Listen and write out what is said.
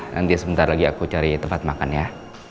nanti sebentar lagi aku cari tempat makan ya